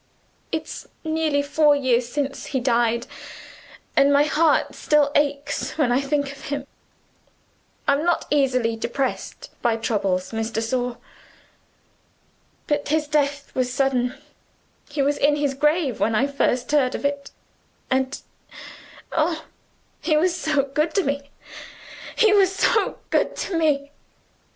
It's nearly four years since he died, and my heart still aches when I think of him. I'm not easily depressed by troubles, Miss de Sor. But his death was sudden he was in his grave when I first heard of it and Oh, he was so good to me; he was so good to me!"